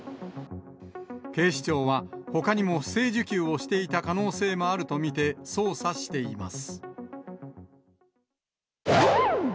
警視庁は、ほかにも不正受給をしていた可能性もあると見て、捜査しています。